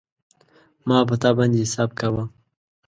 ما په تا باندی حساب کاوه